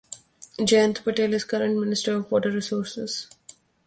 Jayant Patil is Current Minister of Water Resources.